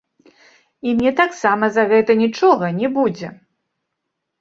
І мне таксама за гэта нічога не будзе!